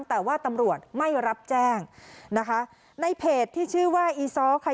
แต่ว่าตำรวจไม่รับแจ้งนะคะในเพจที่ชื่อว่าอีซ้อค่ะ